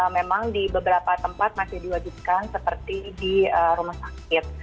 memang di beberapa tempat masih diwajibkan seperti di rumah sakit